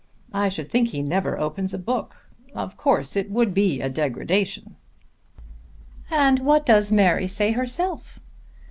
I should think he never opens a book. Of course it would be a degradation." "And what does Mary say herself?"